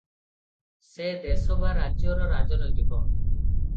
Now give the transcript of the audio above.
ସେ ଦେଶ ବା ରାଜ୍ୟର ରାଜନୈତିକ ।